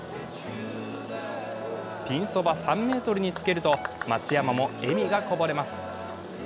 ピンそば３ｍにつけると、松山も笑みがこぼれます。